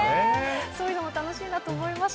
そういうのも楽しいなと思いまし